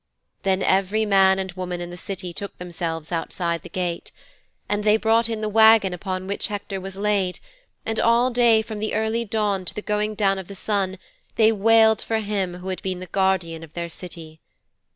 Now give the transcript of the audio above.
"' 'Then every man and woman in the City took themselves outside the gate. And they brought in the wagon upon which Hector was laid, and all day from the early dawn to the going down of the sun they wailed for him who had been the guardian of their city.'